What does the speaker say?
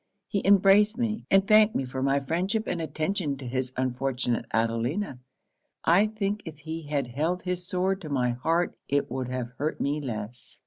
He embraced me, and thanked me for my friendship and attention to his unfortunate Adelina I think if he had held his sword to my heart it would have hurt me less!